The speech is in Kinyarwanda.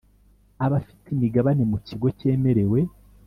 abafite imigabane mu kigo cyemerewe